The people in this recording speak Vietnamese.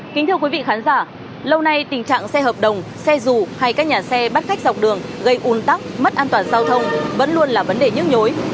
kính thưa quý vị khán giả lâu nay tình trạng xe hợp đồng xe dù hay các nhà xe bắt khách dọc đường gây un tắc mất an toàn giao thông vẫn luôn là vấn đề nhức nhối